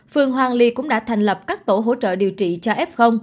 phường hoàng ly cũng đã thành lập các tổ hỗ trợ điều trị cho f